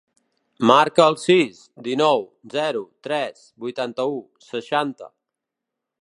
Marca el sis, dinou, zero, tres, vuitanta-u, seixanta.